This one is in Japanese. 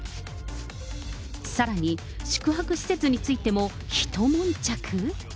さらに、宿泊施設についてもひと悶着？